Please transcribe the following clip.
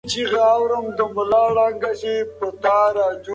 غلام ته اجازه ده چې هر چېرته وغواړي سفر وکړي.